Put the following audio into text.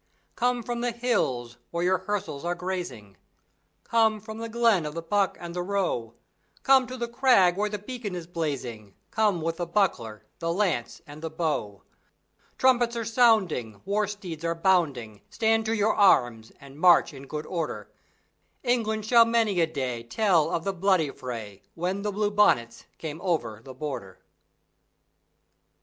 Come from the hills where your hirsels are grazing, Come from the glen of the buck and the roe; Come to the crag where the beacon is blazing, Come with the buckler, the lance, and the bow; Trumpets are sounding, War steeds are bounding, Stand to your arms, and march in good order; England shall many a day Tell of the bloody fray When the Blue Bonnets came over the Border.